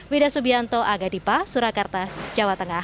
wida subianto aga dipa surakarta jawa tengah